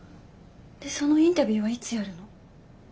でそのインタビューはいつやるの？